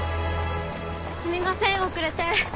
・すみません遅れて。